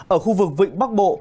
ở khu vực vịnh bắc bộ